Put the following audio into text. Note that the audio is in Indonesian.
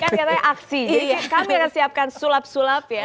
kan katanya aksi kami akan siapkan sulap sulap ya